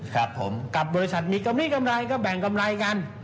กับบริษัทมีกรรมนี้กำไรก็แบ่งกำไรกัน